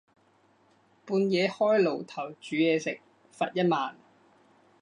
半夜開爐頭煮嘢食，罰一萬